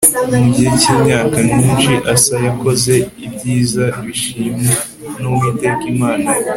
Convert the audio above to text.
Mu gihe cyimyaka myinshi Asa yakoze ibyiza bishimwa nUwiteka Imana ye